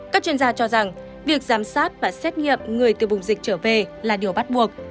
các chuyên gia cho rằng việc giám sát và xét nghiệm người từ vùng dịch trở về là điều bắt buộc